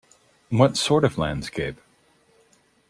What sort of landscape?